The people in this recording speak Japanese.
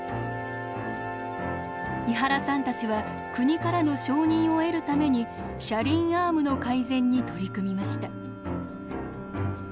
井原さんたちは国からの承認を得るために車輪アームの改善に取り組みました。